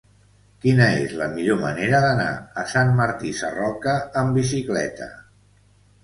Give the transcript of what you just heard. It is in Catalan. Quina és la millor manera d'anar a Sant Martí Sarroca amb bicicleta?